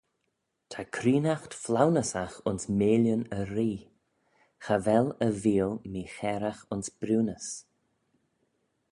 Ta creenaght flaunyssagh ayns meillyn y ree: cha vel e veeal mee-chairagh ayns briwnys.